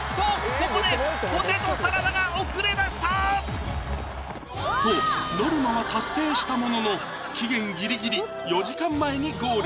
ここでポテトサラダが遅れだしたとノルマは達成したものの期限ギリギリ４時間前にゴール